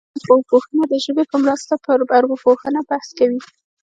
د ژبې ارواپوهنه د ژبې په مرسته پر ارواپوهنه بحث کوي